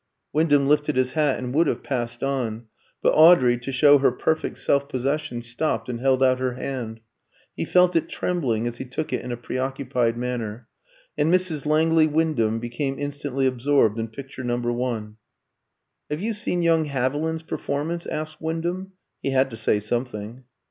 Wyndham lifted his hat and would have passed on; but Audrey, to show her perfect self possession, stopped and held out her hand. He felt it trembling as he took it in a preoccupied manner; and Mrs. Langley Wyndham became instantly absorbed in picture No. 1. "Have you seen young Haviland's performance?" asked Wyndham. (He had to say something.)